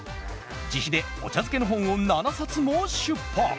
自費でお茶漬けの本を７冊も出版。